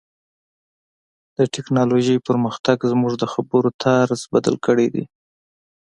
د ټکنالوژۍ پرمختګ زموږ د خبرو طرز بدل کړی دی.